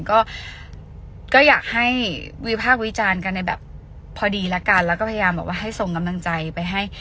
ก็ก็อยากให้วิพากษ์วิจารณ์กันในแบบพอดีแล้วกันแล้วก็พยายามบอกว่าให้ส่งกำลังใจไปให้